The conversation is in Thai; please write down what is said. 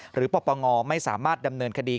ปปงไม่สามารถดำเนินคดี